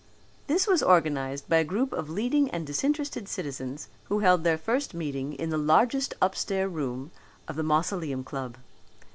This was organized by a group of leading and disinterested citizens who held their first meeting in the largest upstairs room of the Mausoleum Club.